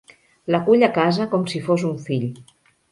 L'acull a casa com si fos un fill.